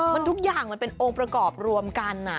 มันทุกอย่างมันเป็นองค์ประกอบรวมกัน